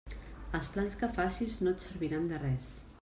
Els plans que facis no et serviran de res.